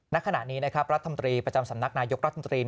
นักขณะนี้รัฐธรรมตรีประจำสำนักนายกรัฐธรรมตรี